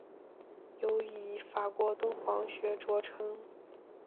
尤以法国敦煌学着称。